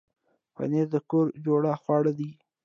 پنېر د کور جوړ خواړه دي.